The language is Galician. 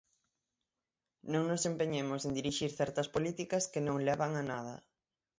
Non nos empeñemos en dirixir certas políticas que non levan a nada.